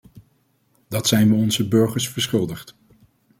Dat zijn we onze burgers verschuldigd.